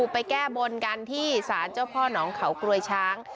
ไปแก้บนกันที่ศาลเจ้าพ่อหนองเขากรวยช้าง